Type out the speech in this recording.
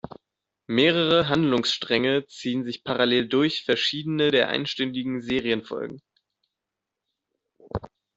Mehrere Handlungsstränge ziehen sich parallel durch verschiedene der einstündigen Serienfolgen.